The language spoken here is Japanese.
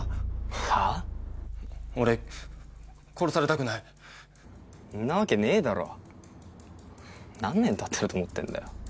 俺殺されたくないんなわけねえだろ何年たってると思ってんだよ